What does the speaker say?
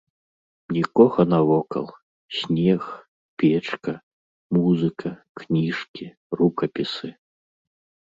Нікога навокал, снег, печка, музыка, кніжкі, рукапісы.